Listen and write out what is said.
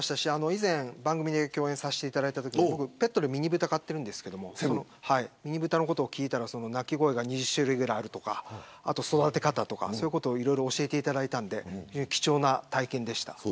以前、番組で共演させていただいたときに僕、ペットでミニブタを飼っているんですが鳴き声が２０種類ぐらいあるとか育て方とかいろいろ教えていただいたので貴重な体験でした。